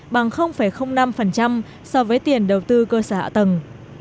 bằng năm so với tiền đầu tư cơ sở hạ tầng